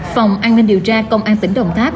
phòng an ninh điều tra công an tỉnh đồng tháp